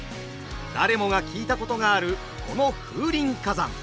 誰もが聞いたことがあるこの「風林火山」。